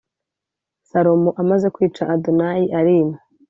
Salomo amaze kwica Adonayi arima